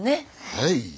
はい。